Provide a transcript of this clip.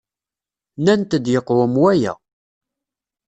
Nnant-d yeqwem waya.